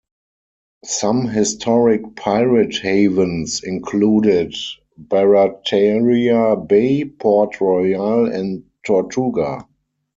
Some historic pirate havens included Barataria Bay, Port Royal, and Tortuga.